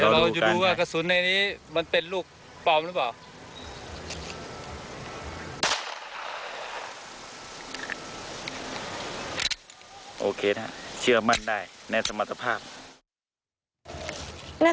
เราจะดูว่ากระสุนในนี้มันเป็นลูกปลอมหรือเปล่า